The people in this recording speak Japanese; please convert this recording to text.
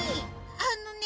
あのね